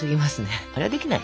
あれはできないよ。